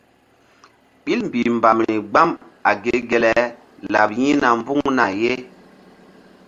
Ɓil mbih mbam ri gbam a ge ge le laɓ yi̧hna mbuŋna ye.